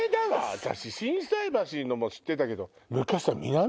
私心斎橋のも知ってたけど。